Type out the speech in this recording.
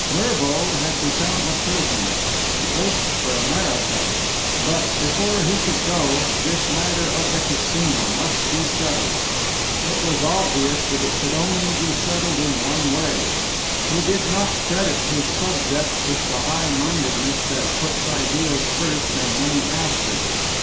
Mervo had become a prison. He ached for America. But, before he could go, this matter of the Casino must be settled. It was obvious that it could only be settled in one way. He did not credit his subjects with the high mindedness that puts ideals first and money after.